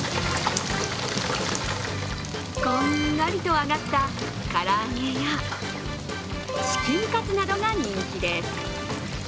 こんがりと揚がった唐揚げやチキンカツなどが人気です。